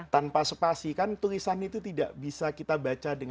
tanpa spasi kan tulisan itu tidak bisa kita baca